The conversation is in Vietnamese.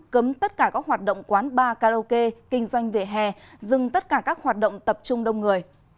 cấm tất cả các hoạt động quán bar karaoke kinh doanh về hè dừng tất cả các hoạt động tập trung đông người